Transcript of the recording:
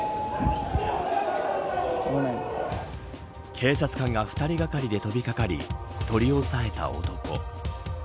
警察官が２人がかりで飛びかかり取り押さえた男。